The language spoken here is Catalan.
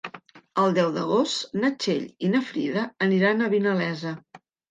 El deu d'agost na Txell i na Frida aniran a Vinalesa.